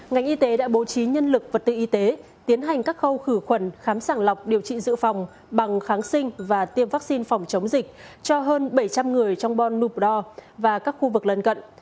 ngành y tế đã bố trí nhân lực vật tư y tế tiến hành các khâu khử khuẩn khám sàng lọc điều trị dự phòng bằng kháng sinh và tiêm vaccine phòng chống dịch cho hơn bảy trăm linh người trong bon nubra và các khu vực lân cận